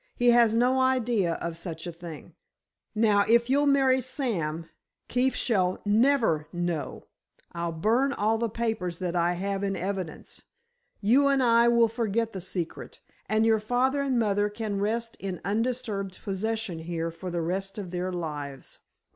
He has no idea of such a thing. Now, if you'll marry Sam, Keefe shall never know. I'll burn all the papers that I have in evidence. You and I will forget the secret, and your father and mother can rest in undisturbed possession here for the rest of their lives."